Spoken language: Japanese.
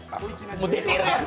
もう出てるやん。